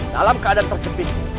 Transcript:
dalam keadaan terkeping